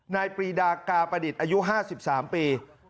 ปรีดากาประดิษฐ์อายุ๕๓ปี